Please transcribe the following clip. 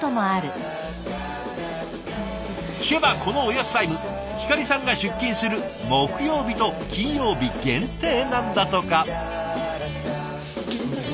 聞けばこのおやつタイムひかりさんが出勤する木曜日と金曜日限定なんだとか。